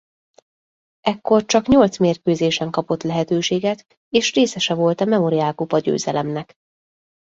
Ekkor csak nyolc mérkőzésen kapott lehetőséget és részese volt a Memorial-kupa győzelemnek.